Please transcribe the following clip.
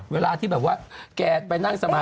เวลาที่แบบว่าแกไปนั่งสมา